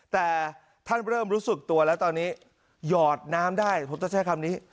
แต่ท่านเริ่มรู้สึกตัวแล้วตอนนี้หยอดน้ำได้ผมต้องใช้คำนี้